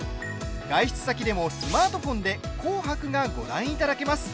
外出先でもスマートフォンで「紅白」がご覧いただけます。